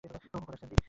ওহ, খোদা, স্যান্ডি।